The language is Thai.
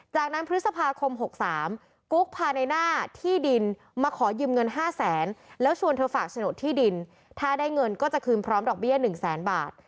จากนั้นพฤษภาคม๖๓กุ๊กพาในหน้าที่ดินมาขอยืมเงิน๕แสนแล้วชวนเธอฝากโฉนดที่ดินถ้าได้เงินก็จะคืนพร้อมดอกเบี้ย๑แสนบาท